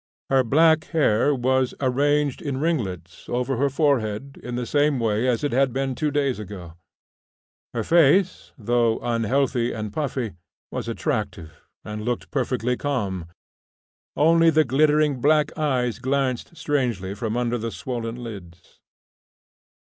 Her black hair was arranged in ringlets over her forehead in the same way as it had been two days ago; her face, though unhealthy and puffy, was attractive, and looked perfectly calm, only the glittering black eyes glanced strangely from under the swollen lids.